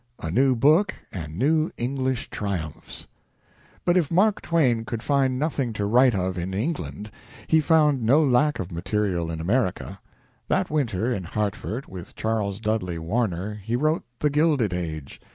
A NEW BOOK AND NEW ENGLISH TRIUMPHS But if Mark Twain could find nothing to write of in England, he found no lack of material in America. That winter in Hartford, with Charles Dudley Warner, he wrote "The Gilded Age."